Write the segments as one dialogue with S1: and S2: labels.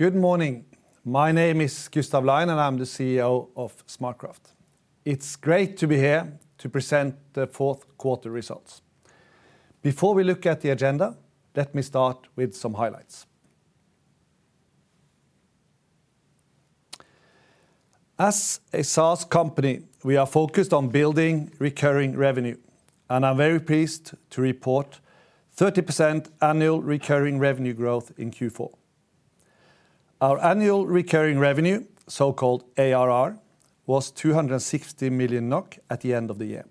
S1: Good morning. My name is Gustav Line, and I'm the CEO of SmartCraft. It's great to be here to present the fourth quarter results. Before we look at the agenda, let me start with some highlights. As a SaaS company, we are focused on building recurring revenue, and I'm very pleased to report 30% annual recurring revenue growth in Q4. Our annual recurring revenue, so-called ARR, was 260 million NOK at the end of the year.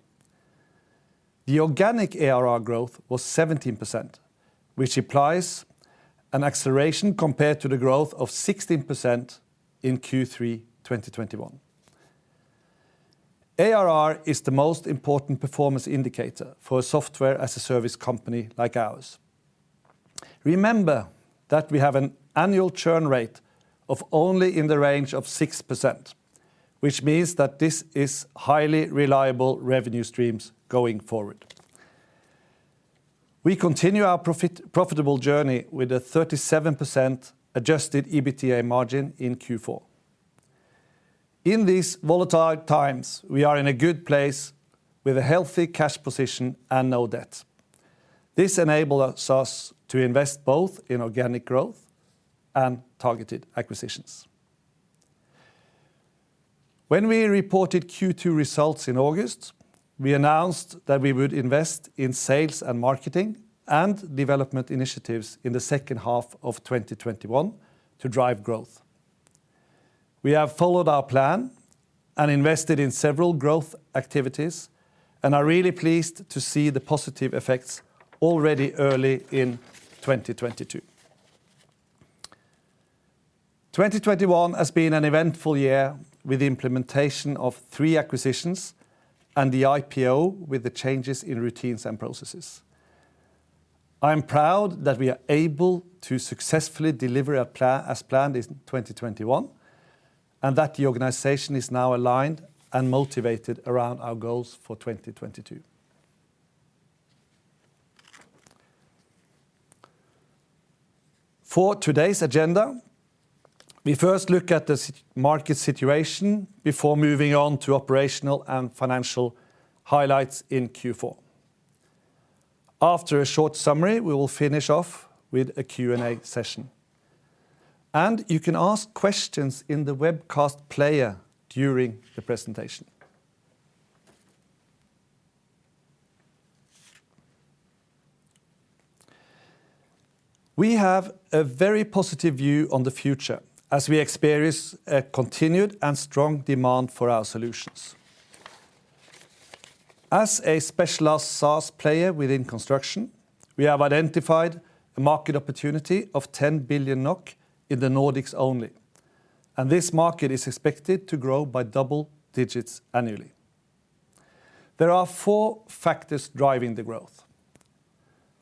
S1: The organic ARR growth was 17%, which applies an acceleration compared to the growth of 16% in Q3 2021. ARR is the most important performance indicator for a software-as-a-service company like ours. Remember that we have an annual churn rate of only in the range of 6%, which means that this is highly reliable revenue streams going forward. We continue our profitable journey with a 37% adjusted EBITDA margin in Q4. In these volatile times, we are in a good place with a healthy cash position and no debt. This enables us to invest both in organic growth and targeted acquisitions. When we reported Q2 results in August, we announced that we would invest in sales and marketing and development initiatives in the second half of 2021 to drive growth. We have followed our plan and invested in several growth activities and are really pleased to see the positive effects already early in 2022. 2021 has been an eventful year with the implementation of three acquisitions and the IPO with the changes in routines and processes. I am proud that we are able to successfully deliver a plan as planned in 2021, and that the organization is now aligned and motivated around our goals for 2022. For today's agenda, we first look at the market situation before moving on to operational and financial highlights in Q4. After a short summary, we will finish off with a Q&A session. You can ask questions in the webcast player during the presentation. We have a very positive view on the future as we experience a continued and strong demand for our solutions. As a specialized SaaS player within construction, we have identified a market opportunity of 10 billion NOK in the Nordics only, and this market is expected to grow by double digits annually. There are four factors driving the growth.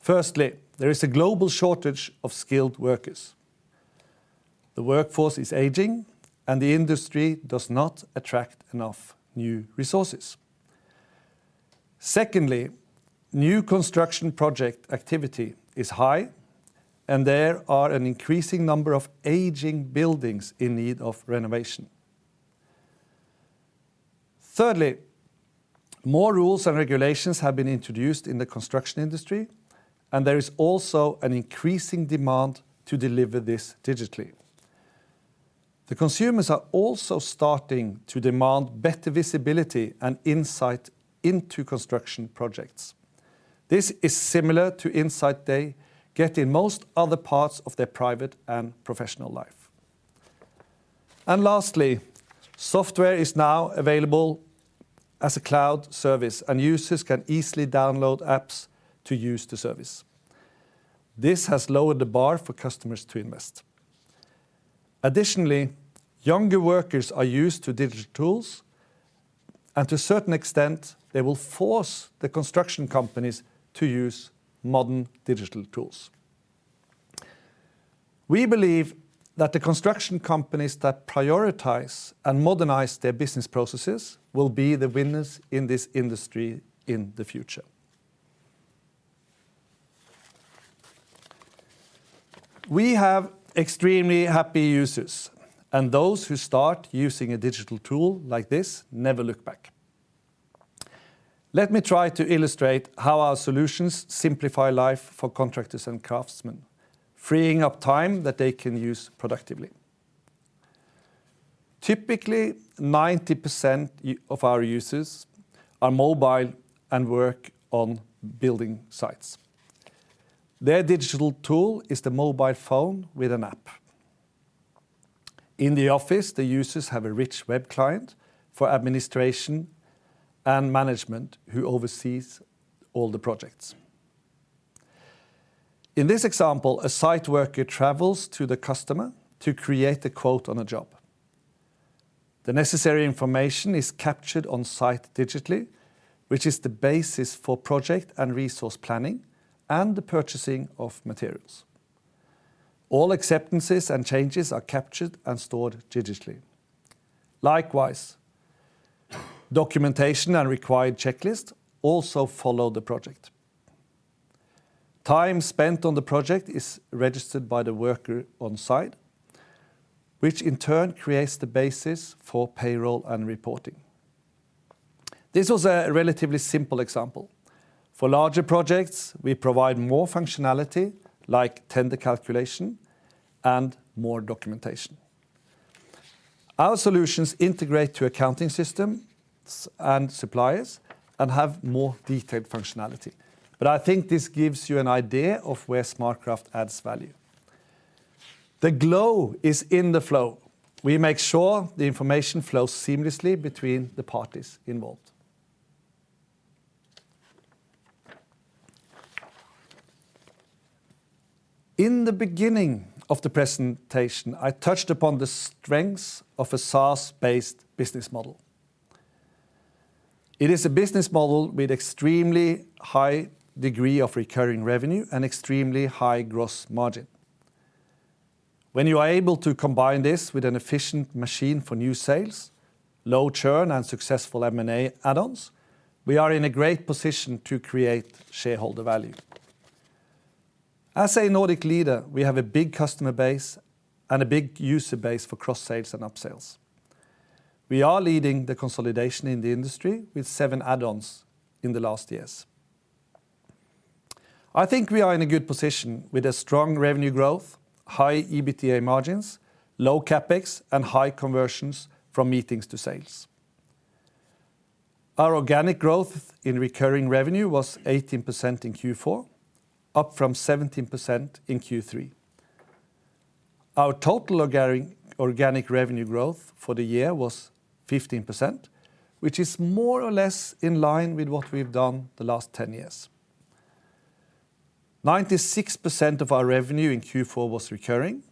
S1: Firstly, there is a global shortage of skilled workers. The workforce is aging, and the industry does not attract enough new resources. Secondly, new construction project activity is high, and there are an increasing number of aging buildings in need of renovation. Thirdly, more rules and regulations have been introduced in the construction industry, and there is also an increasing demand to deliver this digitally. The consumers are also starting to demand better visibility and insight into construction projects. This is similar to insight they get in most other parts of their private and professional life. Lastly, software is now available as a cloud service, and users can easily download apps to use the service. This has lowered the bar for customers to invest. Additionally, younger workers are used to digital tools, and to a certain extent, they will force the construction companies to use modern digital tools. We believe that the construction companies that prioritize and modernize their business processes will be the winners in this industry in the future. We have extremely happy users, and those who start using a digital tool like this never look back. Let me try to illustrate how our solutions simplify life for contractors and craftsmen, freeing up time that they can use productively. Typically, 90% of our users are mobile and work on building sites. Their digital tool is the mobile phone with an app. In the office, the users have a rich web client for administration and management who oversees all the projects. In this example, a site worker travels to the customer to create a quote on a job. The necessary information is captured on-site digitally, which is the basis for project and resource planning and the purchasing of materials. All acceptances and changes are captured and stored digitally. Likewise, documentation and required checklist also follow the project. Time spent on the project is registered by the worker on site, which in turn creates the basis for payroll and reporting. This was a relatively simple example. For larger projects, we provide more functionality like tender calculation and more documentation. Our solutions integrate to accounting systems and suppliers and have more detailed functionality. I think this gives you an idea of where SmartCraft adds value. The glue is in the flow. We make sure the information flows seamlessly between the parties involved. In the beginning of the presentation, I touched upon the strengths of a SaaS-based business model. It is a business model with extremely high degree of recurring revenue and extremely high gross margin. When you are able to combine this with an efficient machine for new sales, low churn, and successful M&A add-ons, we are in a great position to create shareholder value. As a Nordic leader, we have a big customer base and a big user base for cross-sales and up-sales. We are leading the consolidation in the industry with 7 add-ons in the last years. I think we are in a good position with a strong revenue growth, high EBITDA margins, low CapEx, and high conversions from meetings to sales. Our organic growth in recurring revenue was 18% in Q4, up from 17% in Q3. Our total organic revenue growth for the year was 15%, which is more or less in line with what we've done the last 10 years. 96% of our revenue in Q4 was recurring,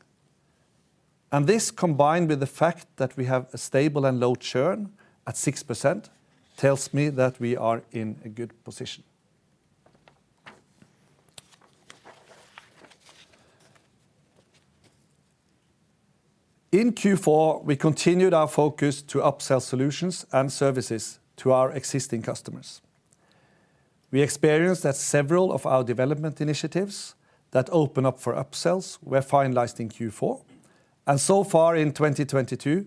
S1: and this combined with the fact that we have a stable and low churn at 6% tells me that we are in a good position. In Q4, we continued our focus to up-sell solutions and services to our existing customers. We experienced that several of our development initiatives that open up for up-sells were finalized in Q4. Far in 2022,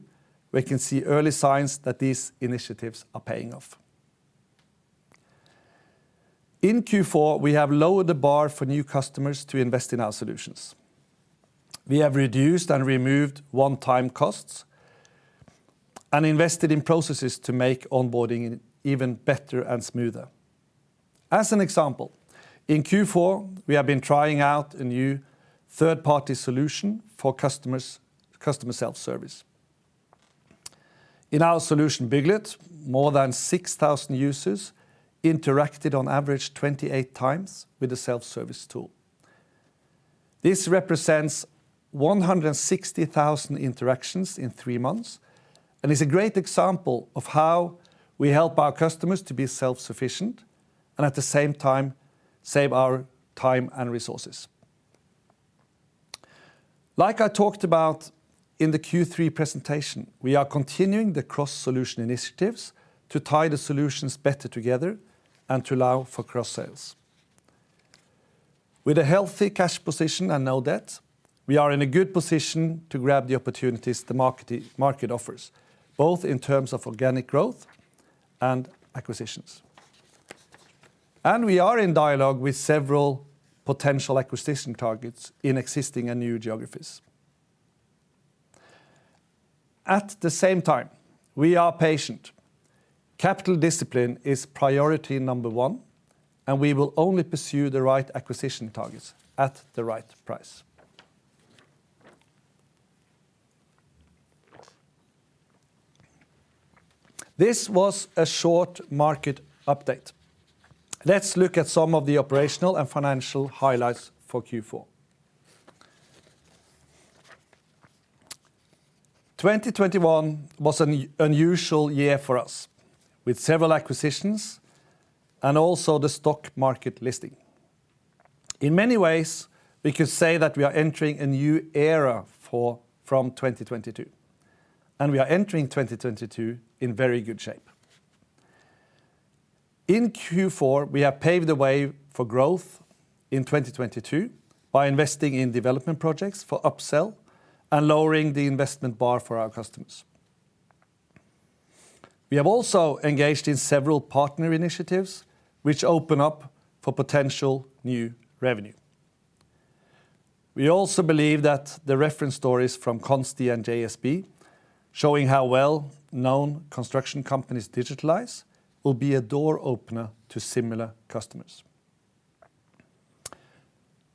S1: we can see early signs that these initiatives are paying off. In Q4, we have lowered the bar for new customers to invest in our solutions. We have reduced and removed one-time costs and invested in processes to make onboarding even better and smoother. As an example, in Q4, we have been trying out a new third-party solution for customer self-service. In our solution, Bygglet, more than 6,000 users interacted on average 28 times with the self-service tool. This represents 160,000 interactions in three months and is a great example of how we help our customers to be self-sufficient and at the same time, save our time and resources. Like I talked about in the Q3 presentation, we are continuing the cross-solution initiatives to tie the solutions better together and to allow for cross-sales. With a healthy cash position and no debt, we are in a good position to grab the opportunities the market offers, both in terms of organic growth and acquisitions. We are in dialogue with several potential acquisition targets in existing and new geographies. At the same time, we are patient. Capital discipline is priority number one, and we will only pursue the right acquisition targets at the right price. This was a short market update. Let's look at some of the operational and financial highlights for Q4. 2021 was an unusual year for us, with several acquisitions and also the stock market listing. In many ways, we could say that we are entering a new era from 2022, and we are entering 2022 in very good shape. In Q4, we have paved the way for growth in 2022 by investing in development projects for up-sell and lowering the investment bar for our customers. We have also engaged in several partner initiatives which open up for potential new revenue. We also believe that the reference stories from Consti and JSB, showing how well known construction companies digitalize, will be a door opener to similar customers.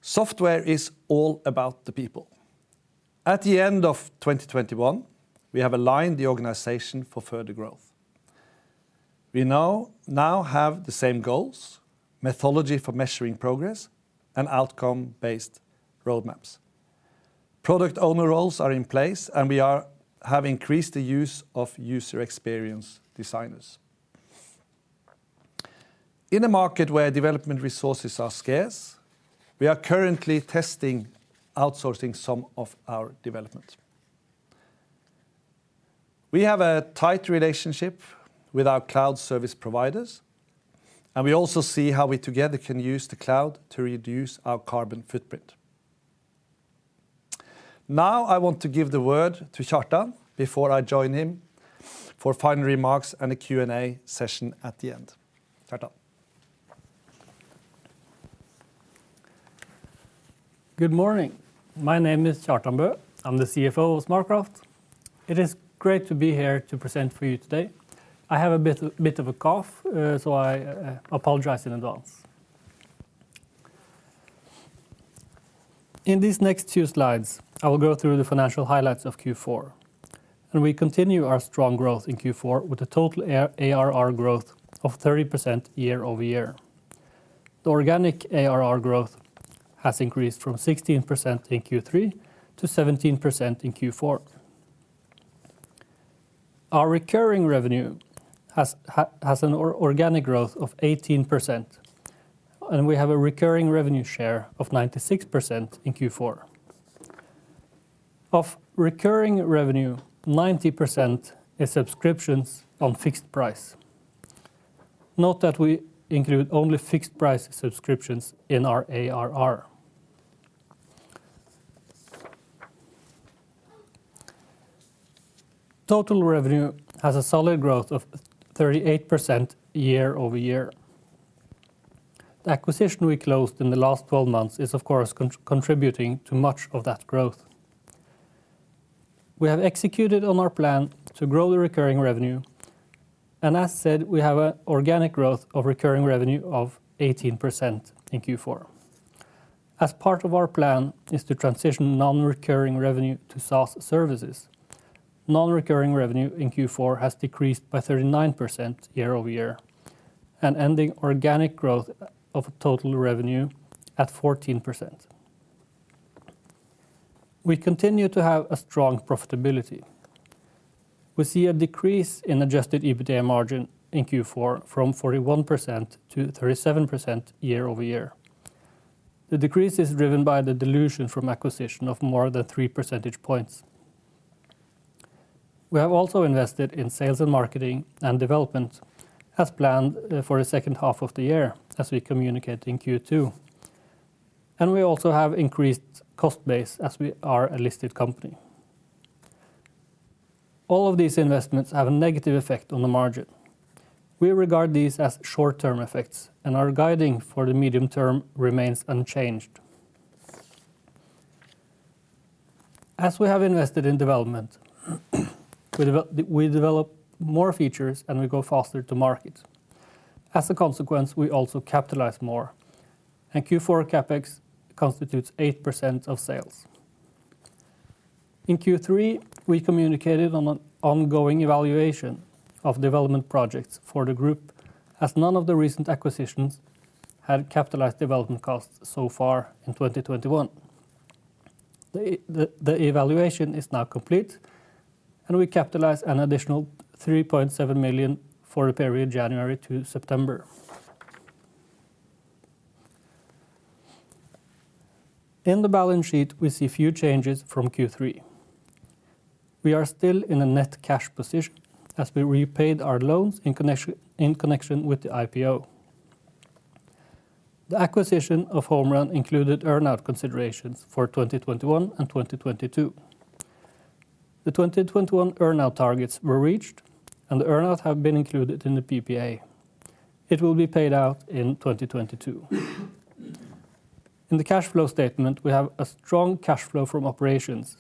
S1: Software is all about the people. At the end of 2021, we have aligned the organization for further growth. We now have the same goals, methodology for measuring progress, and outcome-based roadmaps. Product owner roles are in place, and we have increased the use of user experience designers. In a market where development resources are scarce, we are currently testing outsourcing some of our development. We have a tight relationship with our cloud service providers, and we also see how we together can use the cloud to reduce our carbon footprint. Now, I want to give the word to Kjartan before I join him for final remarks and a Q&A session at the end. Kjartan.
S2: Good morning. My name is Kjartan Bø. I'm the CFO of SmartCraft. It is great to be here to present for you today. I have a bit of a cough, so I apologize in advance. In these next 2 slides, I will go through the financial highlights of Q4. We continue our strong growth in Q4 with a total ARR growth of 30% year-over-year. The organic ARR growth has increased from 16% in Q3 to 17% in Q4. Our recurring revenue has an organic growth of 18%, and we have a recurring revenue share of 96% in Q4. Of recurring revenue, 90% is subscriptions on fixed price. Note that we include only fixed price subscriptions in our ARR. Total revenue has a solid growth of 38% year-over-year. The acquisition we closed in the last 12 months is, of course, contributing to much of that growth. We have executed on our plan to grow the recurring revenue, and as said, we have an organic growth of recurring revenue of 18% in Q4. As part of our plan to transition non-recurring revenue to SaaS services, non-recurring revenue in Q4 has decreased by 39% year-over-year and ending organic growth of total revenue at 14%. We continue to have a strong profitability. We see a decrease in adjusted EBITDA margin in Q4 from 41% to 37% year-over-year. The decrease is driven by the dilution from acquisition of more than three percentage points. We have also invested in sales and marketing and development as planned, for the second half of the year as we communicate in Q2. We also have increased cost base as we are a listed company. All of these investments have a negative effect on the margin. We regard these as short-term effects, and our guidance for the medium term remains unchanged. As we have invested in development, we develop more features, and we go faster to market. As a consequence, we also capitalize more, and Q4 CapEx constitutes 8% of sales. In Q3, we communicated on an ongoing evaluation of development projects for the group, as none of the recent acquisitions had capitalized development costs so far in 2021. The evaluation is now complete, and we capitalize an additional 3.7 million for the period January to September. In the balance sheet, we see few changes from Q3. We are still in a net cash position as we repaid our loans in connection with the IPO. The acquisition of HomeRun included earn out considerations for 2021 and 2022. The 2021 earn out targets were reached, and the earn out have been included in the PPA. It will be paid out in 2022. In the cash flow statement, we have a strong cash flow from operations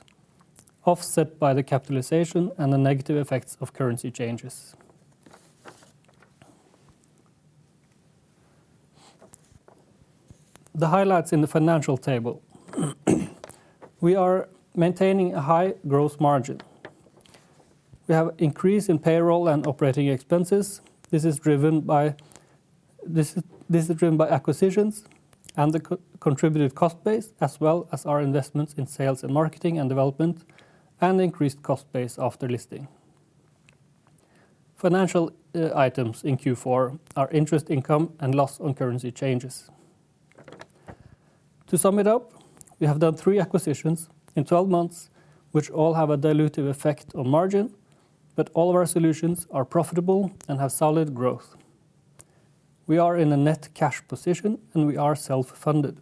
S2: offset by the capitalization and the negative effects of currency changes. The highlights in the financial table. We are maintaining a high gross margin. We have increase in payroll and operating expenses. This is driven by acquisitions and the co-contributed cost base as well as our investments in sales and marketing and development and increased cost base after listing. Financial items in Q4 are interest income and loss on currency changes. To sum it up, we have done three acquisitions in 12 months, which all have a dilutive effect on margin, but all of our solutions are profitable and have solid growth. We are in a net cash position, and we are self-funded.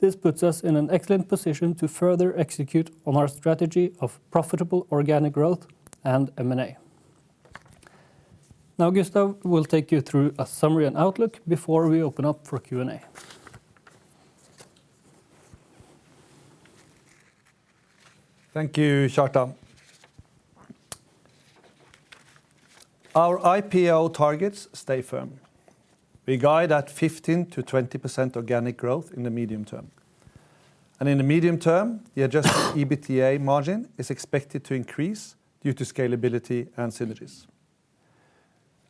S2: This puts us in an excellent position to further execute on our strategy of profitable organic growth and M&A. Now, Gustav will take you through a summary and outlook before we open up for Q&A.
S1: Thank you, Kjartan Bø. Our IPO targets stay firm. We guide at 15% to 20% organic growth in the medium term. In the medium term, the adjusted EBITDA margin is expected to increase due to scalability and synergies.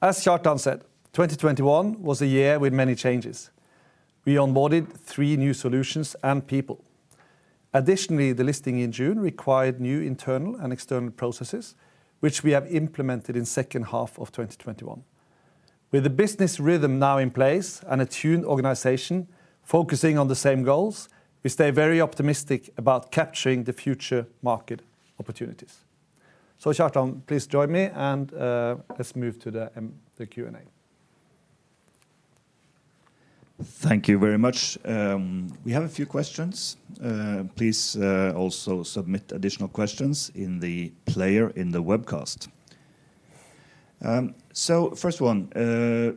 S1: As Kjartan Bø said, 2021 was a year with many changes. We onboarded three new solutions and people. Additionally, the listing in June required new internal and external processes, which we have implemented in second half of 2021. With the business rhythm now in place and a tuned organization focusing on the same goals, we stay very optimistic about capturing the future market opportunities. Kjartan Bø, please join me, and let's move to the Q&A.
S3: Thank you very much. We have a few questions. Please, also submit additional questions in the player in the webcast. First one,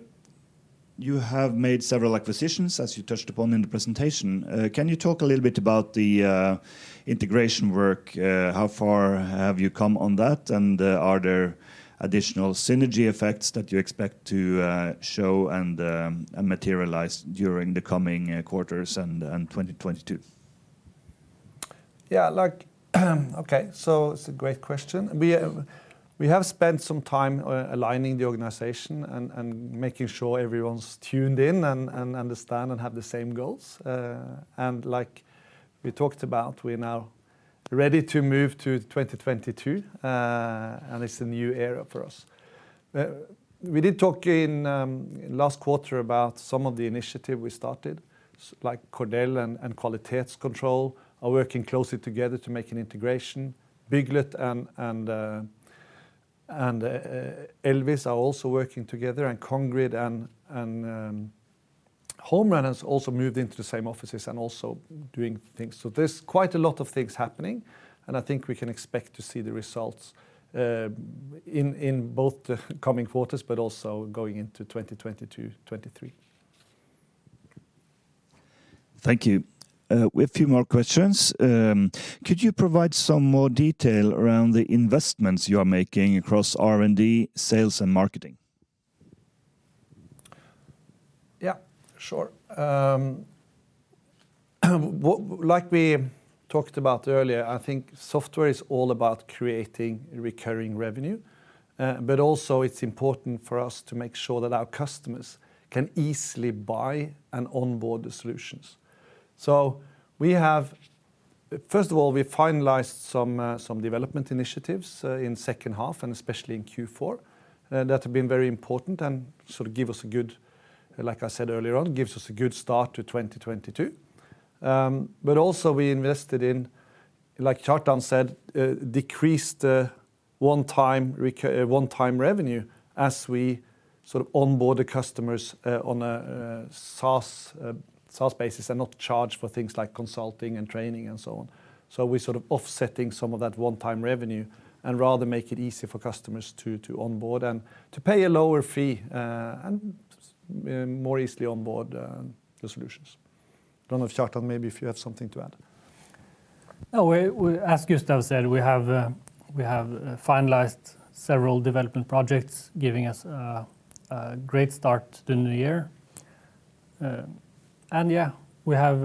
S3: you have made several acquisitions as you touched upon in the presentation. Can you talk a little bit about the integration work? How far have you come on that, and are there additional synergy effects that you expect to show and materialize during the coming quarters and 2022?
S1: Yeah, like, okay. It's a great question. We have spent some time aligning the organization and making sure everyone's tuned in and understand and have the same goals. Like we talked about, we're now ready to move to 2022, and it's a new era for us. We did talk in last quarter about some of the initiatives we started, like Cordel and Kvalitetskontroll are working closely together to make an integration. Bygglet and EL-VIS are also working together, and Congrid and HomeRun has also moved into the same offices and also doing things. There's quite a lot of things happening, and I think we can expect to see the results in both the coming quarters but also going into 2022, 2023.
S3: Thank you. We have a few more questions. Could you provide some more detail around the investments you are making across R&D, sales, and marketing?
S1: Yeah, sure. Like we talked about earlier, I think software is all about creating recurring revenue. Also it's important for us to make sure that our customers can easily buy and onboard the solutions. We have first of all, we finalized some development initiatives in second half and especially in Q4 that have been very important and sort of give us a good, like I said earlier on, gives us a good start to 2022. Also we invested in, like Kjartan said, decreased one-time revenue as we sort of onboard the customers on a SaaS basis and not charge for things like consulting and training and so on. We're sort of offsetting some of that one-time revenue and rather make it easier for customers to onboard and to pay a lower fee, and more easily onboard the solutions. Don't know if Kjartan Bø, maybe if you have something to add.
S2: No. We as Gustav said we have finalized several development projects giving us a great start to the new year. Yeah, we have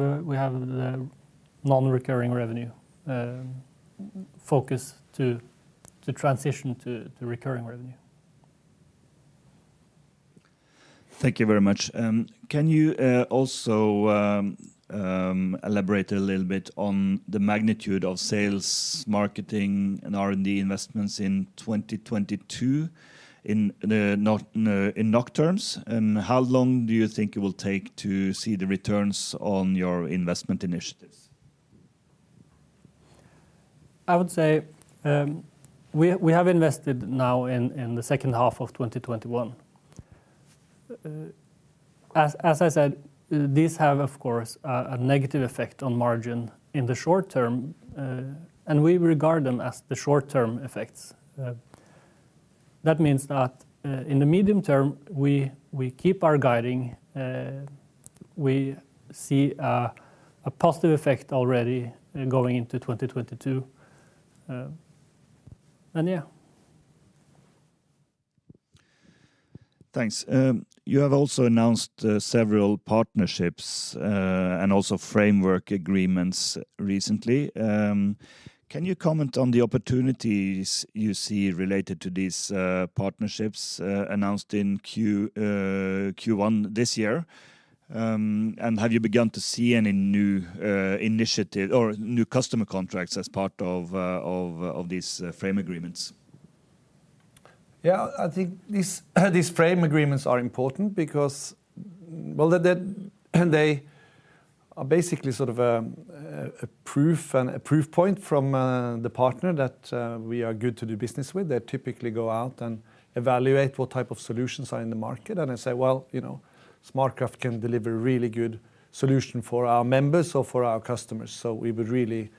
S2: the non-recurring revenue focus to transition to recurring revenue.
S3: Thank you very much. Can you also elaborate a little bit on the magnitude of sales, marketing, and R&D investments in 2022 in NOK terms? How long do you think it will take to see the returns on your investment initiatives?
S2: I would say, we have invested now in the second half of 2021. As I said, these have of course a negative effect on margin in the short term, and we regard them as the short-term effects. That means that, in the medium term, we keep our guidance. We see a positive effect already going into 2022. Yeah.
S3: Thanks. You have also announced several partnerships and also framework agreements recently. Can you comment on the opportunities you see related to these partnerships announced in Q1 this year? Have you begun to see any new initiative or new customer contracts as part of these framework agreements?
S1: Yeah. I think these frame agreements are important because, well, they are basically sort of a proof and a proof point from the partner that we are good to do business with. They typically go out and evaluate what type of solutions are in the market and then say, "Well, you know, SmartCraft can deliver really good solution for our members or for our customers, so we would really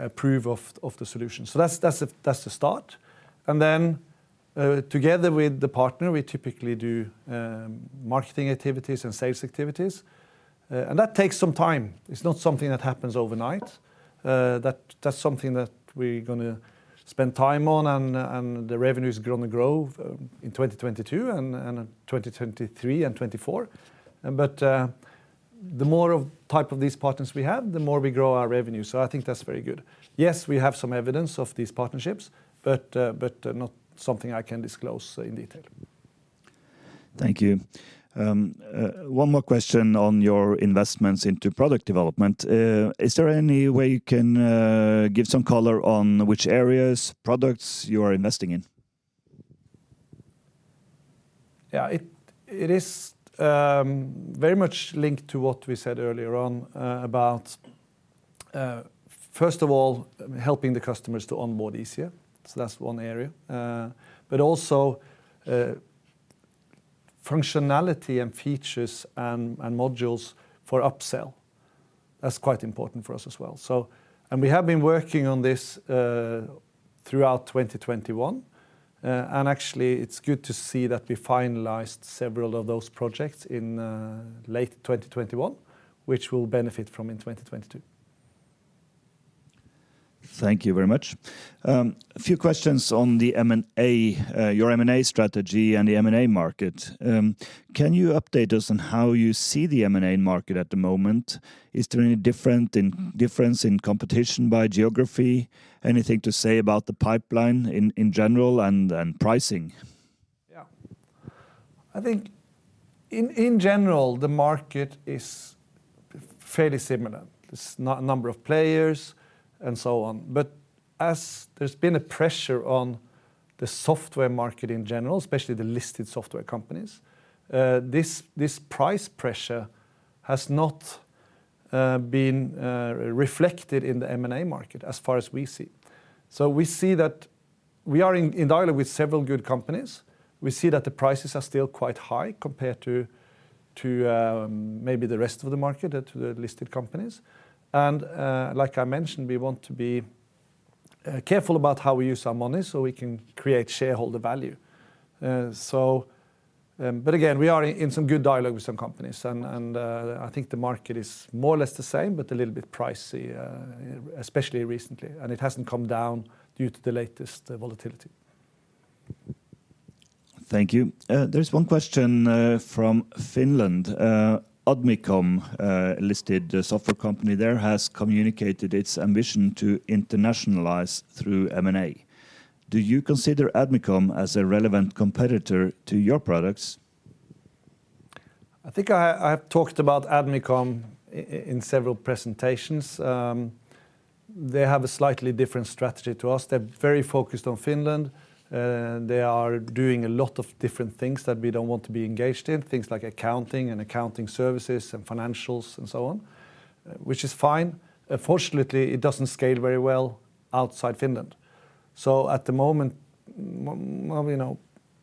S1: approve of the solution." That's the start. Then, together with the partner, we typically do marketing activities and sales activities. That takes some time. It's not something that happens overnight. That's something that we're gonna spend time on, and the revenues are gonna grow in 2022 and in 2023 and 2024. The more types of these partners we have, the more we grow our revenue. I think that's very good. Yes, we have some evidence of these partnerships but not something I can disclose in detail.
S3: Thank you. One more question on your investments into product development. Is there any way you can give some color on which areas, products you are investing in?
S1: Yeah, it is very much linked to what we said earlier on about first of all helping the customers to onboard easier. That's one area. Also functionality and features and modules for upsell. That's quite important for us as well. We have been working on this throughout 2021. Actually it's good to see that we finalized several of those projects in late 2021, which we'll benefit from in 2022.
S3: Thank you very much. A few questions on the M&A, your M&A strategy and the M&A market. Can you update us on how you see the M&A market at the moment? Is there any difference in competition by geography? Anything to say about the pipeline in general and pricing?
S1: Yeah. I think in general, the market is fairly similar. There's no number of players and so on. As there's been a pressure on the software market in general, especially the listed software companies, this price pressure has not been reflected in the M&A market as far as we see. We see that we are in dialogue with several good companies. We see that the prices are still quite high compared to maybe the rest of the market, to the listed companies. Like I mentioned, we want to be careful about how we use our money so we can create shareholder value. Again, we are in some good dialogue with some companies and I think the market is more or less the same, but a little bit pricey, especially recently, and it hasn't come down due to the latest volatility.
S3: Thank you. There's one question from Finland. Admicom, listed software company there, has communicated its ambition to internationalize through M&A. Do you consider Admicom as a relevant competitor to your products?
S1: I think I have talked about Admicom in several presentations. They have a slightly different strategy to us. They're very focused on Finland. They are doing a lot of different things that we don't want to be engaged in, things like accounting services and financials and so on, which is fine. Unfortunately, it doesn't scale very well outside Finland. At the moment, you know,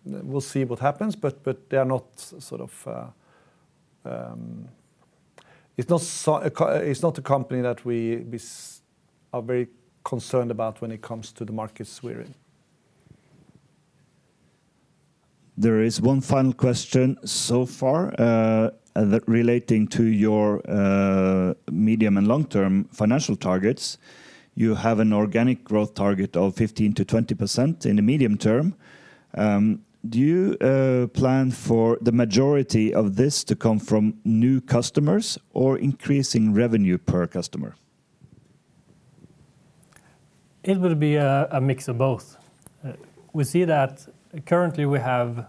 S1: we'll see what happens, but it's not a company that we are very concerned about when it comes to the markets we're in.
S3: There is one final question so far, relating to your medium and long-term financial targets. You have an organic growth target of 15% to 20% in the medium term. Do you plan for the majority of this to come from new customers or increasing revenue per customer?
S2: It will be a mix of both. We see that currently we have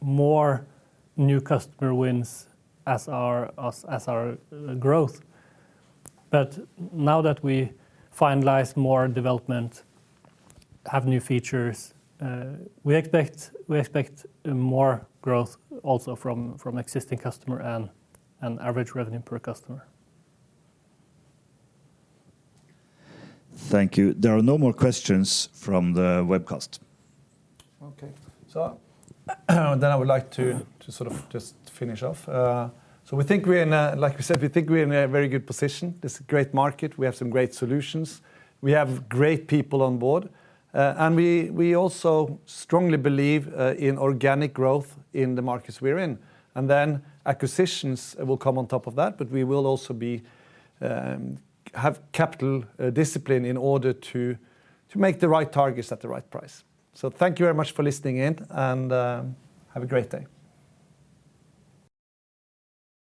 S2: more new customer wins as our growth. Now that we finalize more development, have new features, we expect more growth also from existing customer and average revenue per customer.
S3: Thank you. There are no more questions from the webcast.
S1: Okay. I would like to sort of just finish off. Like we said, we think we're in a very good position. There's a great market. We have some great solutions. We have great people on board. We also strongly believe in organic growth in the markets we're in. Acquisitions will come on top of that, but we will also have capital discipline in order to make the right targets at the right price. Thank you very much for listening in and have a great day.